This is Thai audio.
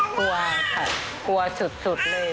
กลัวค่ะกลัวสุดเลย